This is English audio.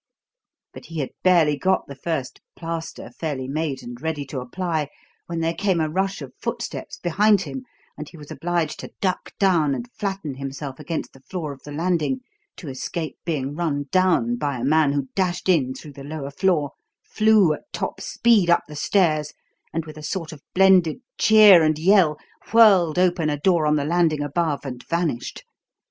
But he had barely got the first "plaster" fairly made and ready to apply when there came a rush of footsteps behind him and he was obliged to duck down and flatten himself against the floor of the landing to escape being run down by a man who dashed in through the lower floor, flew at top speed up the stairs, and, with a sort of blended cheer and yell, whirled open a door on the landing above and vanished.